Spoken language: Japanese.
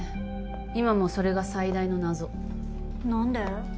今もそれが最大の謎何で？